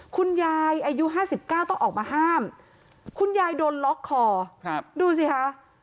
คุณยายอายุ๕๙ต้องออกมาห้ามคุณยายโดนล็อกคอดูสิคะ